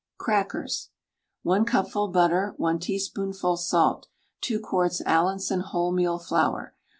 CRACKERS. 1 cupful butter, 1 teaspoonful salt, 2 quarts Allinson wholemeal flour.